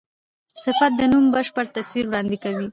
صفت د نوم بشپړ تصویر وړاندي کوي.